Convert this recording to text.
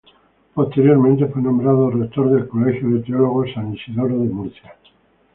Posteriormente fue nombrado rector del Colegio de Teólogos San Isidoro de Murcia.